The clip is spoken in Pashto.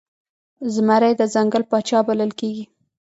زمری د ځنګل پاچا بلل کیږي